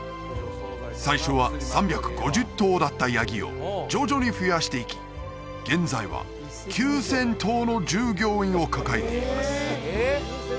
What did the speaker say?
最初は３５０頭だったヤギを徐々に増やしていき現在は９０００頭の従業員を抱えています